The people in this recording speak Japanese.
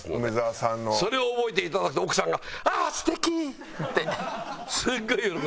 それを覚えていただくと奥さんが「ああ素敵！」ってすごい喜んで。